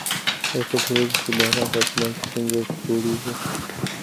ایا ته پوهېږې چې باران په اسمان کې څنګه جوړېږي؟